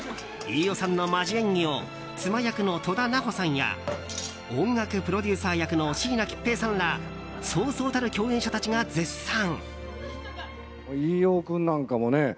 飯尾さんのマジ演技を妻役の戸田菜穂さんや音楽プロデューサー役の椎名桔平さんらそうそうたる共演者たちが絶賛。